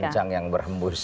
akan kencang yang berhembus